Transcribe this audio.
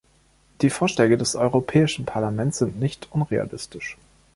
Die Vorschläge des Europäischen Parlaments sind nicht unrealistisch.